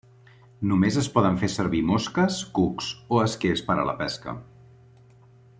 Només es poden fer servir mosques, cucs o esquers per a la pesca.